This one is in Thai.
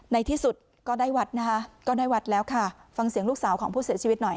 ในที่สุดก็ได้วัดฟังเสียงลูกสาวของผู้เสียชีวิตหน่อย